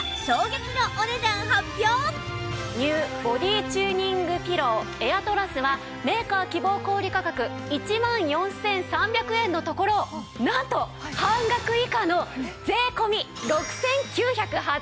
それでは ＮＥＷ ボディチューニングピローエアトラスはメーカー希望小売価格１万４３００円のところなんと半額以下の税込６９８０円です。